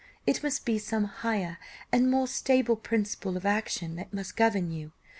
It must be some higher and more stable principle of action that must govern you.